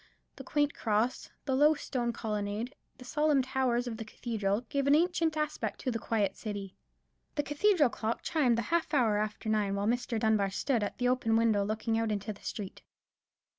The quaint cross, the low stone colonnade, the solemn towers of the cathedral, gave an ancient aspect to the quiet city. The cathedral clock chimed the half hour after nine while Mr. Dunbar stood at the open window looking out into the street.